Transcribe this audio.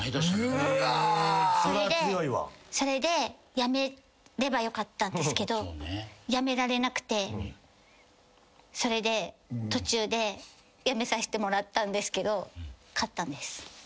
それでやめればよかったんですけどやめられなくてそれで途中でやめさせてもらったんですけど勝ったんです。